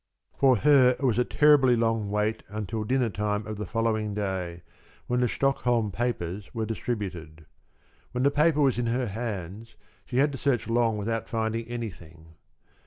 For her it was a terribly long wait until dinner time of the following day, when the Stockholm papers were distributed. When the paper was in her hands, she had to search long without finding anything.